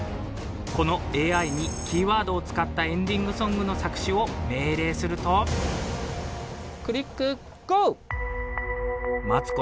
このＡＩにキーワードを使ったエンディングソングの作詞を命令すると待つこと